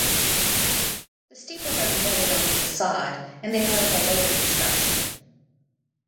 The steeples are embedded on the facade and they are of a later construction.